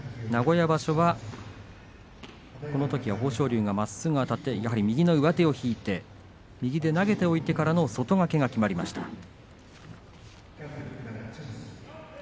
名古屋場所は豊昇龍がまっすぐあたってやはり右の上手を引いて右で投げておいてからの外掛けがきまりました。